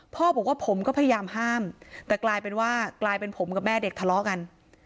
พ่อบอกว่าผมก็พยายามห้ามแต่กลายเป็นว่ากลายเป็นผมกับแม่เด็กทะเลาะกัน